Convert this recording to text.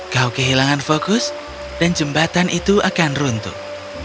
kau kehilangan fokus dan jembatan itu akan runtuh